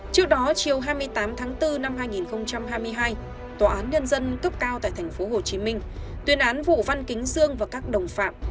trước đó chiều hai mươi tám tháng bốn năm hai nghìn hai mươi hai tòa án nhân dân cấp cao tại tp hcm tuyên án vụ văn kính dương và các đồng phạm